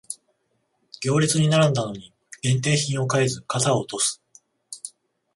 行列に並んだのに限定品を買えず肩を落とす